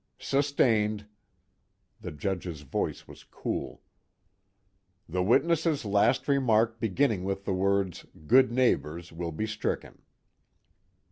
"Sustained." The Judge's voice was cool. "The witness's last remark beginning with the words 'good neighbors' will be stricken."